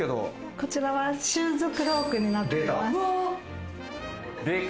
こちらはシューズクロークになっています。